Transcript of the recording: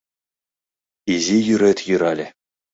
Изи йӱрет йӱрале